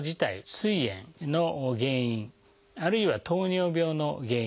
すい炎の原因あるいは糖尿病の原因